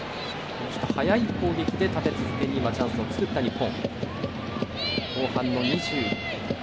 速い攻撃で、立て続けにチャンスを作った日本。